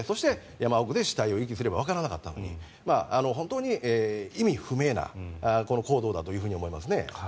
山奥で死体を遺棄すればわからなかったのに本当に意味不明な行動だと思いますね。